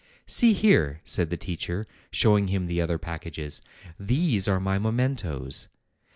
"See here," said the teacher, showing him the other packages; "these are my mementoes.